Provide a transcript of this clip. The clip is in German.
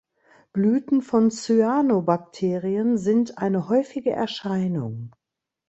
Blüten von Cyanobakterien sind eine häufige Erscheinung.